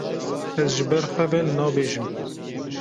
Ez ji ber xwe ve nabêjim.